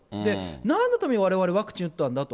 なんのためにわれわれワクチン打ったんだと。